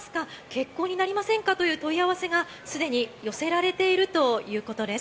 欠航になりませんかという問い合わせがすでに寄せられているということです。